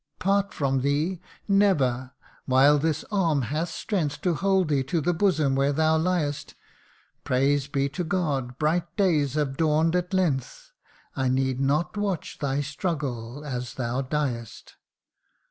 Part from thee ! never ! while this arm hath strength To hold thee to the bosom where thou liest : Praise be to God, bright days have dawn'd at length ! I need not watch thy struggles as thou diest.